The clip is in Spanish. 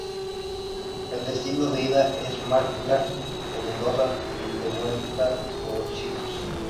El destino de ida es Manga o Mendoza, y el de vuelta Pocitos.